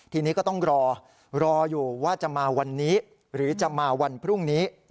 ทีนี้ก็ต้องรอรออยู่ว่าจะมาวันนี้หรือจะมาวันพรุ่งนี้